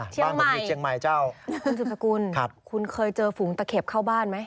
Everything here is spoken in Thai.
เชียงใหม่เจ้าคุณสืบสกุลคุณเคยเจอฝูงตะเข็บเข้าบ้านไหม